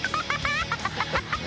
ハハハハ！